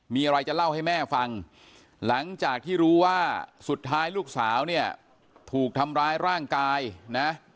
มีอะไรจะเล่าให้แม่ฟังหลังจากที่รู้ว่าสุดท้ายลูกสาวเนี่ยถูกทำร้ายร่างกายนะ